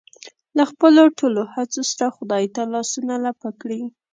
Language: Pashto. له خپلو ټولو هڅو سره خدای ته لاسونه لپه کړي.